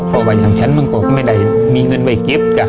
เพราะว่าอย่างฉันบ้างก็ก็ไม่ได้มีเงินไปเกฟซ์